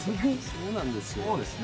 そうなんですよ。